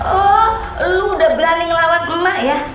oh lo udah berani ngelawan mak ya